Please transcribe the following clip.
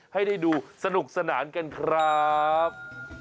ให้ได้ดูสนุกสนานกันครับ